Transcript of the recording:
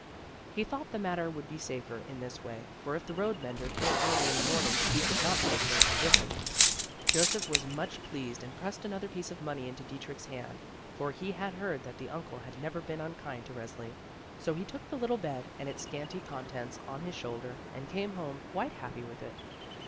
He thought the matter would be safer in this way, for if the road mender came early in the morning he could not take Resli with him. Joseph was much pleased and pressed another piece of money into Dietrich's hand, for he had heard that the uncle had never been unkind to Resli. So he took the little bed and its scanty con SORROW MOTHER NO LONGER 61 tents on his shoulder and came home quite happy with it.